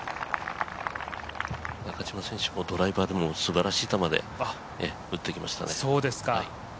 中島選手、ドライバーでもすばらしいところに打ってきましたね。